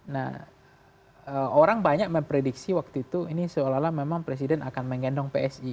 nah orang banyak memprediksi waktu itu ini seolah olah memang presiden akan menggendong psi